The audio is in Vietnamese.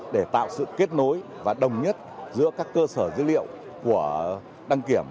để tạo sự kết nối và đồng nhất giữa các cơ sở dữ liệu của đăng kiểm